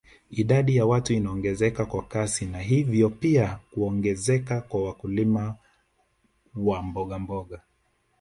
Idadi ya watu inaongezeka kwa kasi na hivyo pia kuongezeka kwa wakulima wa mbogamboga